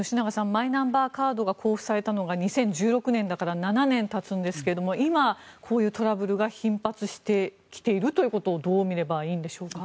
マイナンバーカードが交付されたのが２０１６年だから７年たつんですけれども今、こういうトラブルが頻発してきていることをどう見ればいいんでしょうか。